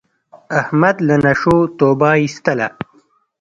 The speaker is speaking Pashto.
احمد له نشو توبه ایستله.